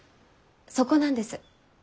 そこなんです。